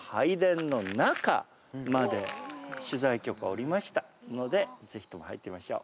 下りましたのでぜひとも入ってみましょう。